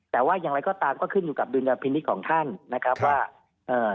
แต่ว่าอย่างไรก็ตามก็ขึ้นอยู่กับดุลยพินิษฐ์ของท่านนะครับว่าเอ่อ